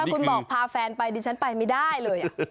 คุณบอกพาแฟนไปดิฉันไปไม่ได้เลย